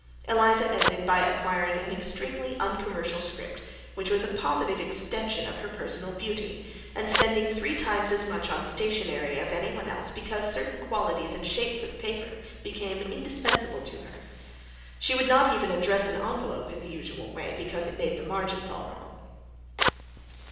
Eliza ended by acquiring an extremely uncommercial script which was a positive extension of her personal beauty, and spending three times as much on stationery as anyone else because certain qualities and shapes of paper became indispensable to her. She could not even address an envelope in the usual way because it made the margins all wrong.